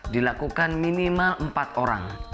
dilakukan minimal empat orang